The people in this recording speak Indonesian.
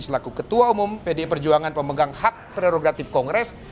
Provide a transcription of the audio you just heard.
selaku ketua umum pdi perjuangan pemegang hak prerogatif kongres